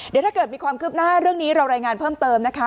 เดี๋ยวถ้าเกิดมีความคืบหน้าเรื่องนี้เรารายงานเพิ่มเติมนะคะ